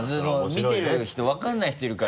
見てる人分からない人いるから。